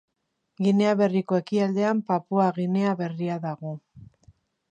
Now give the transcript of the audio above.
Ginea Berriko ekialdean Papua Ginea Berria dago.